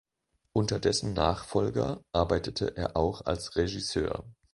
Unter dessen Nachfolger arbeitete er auch als Regisseur.